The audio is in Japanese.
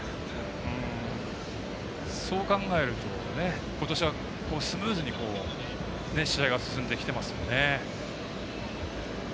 そう考えると、ことしはスムーズに試合が進んできていますよね。